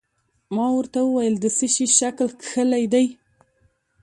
ما ورته وویل: د څه شي شکل کښلی دی؟